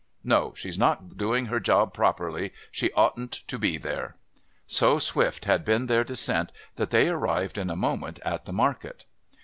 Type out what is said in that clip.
No, she's not doing her job properly. She oughtn't to be there." So swift had been their descent that they arrived in a moment at the market.